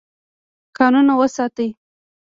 کانونه وساتئ.